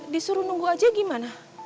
disuruh nunggu aja gimana